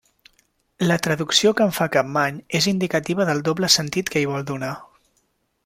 La traducció que en fa Capmany és indicativa del doble sentit que hi vol donar.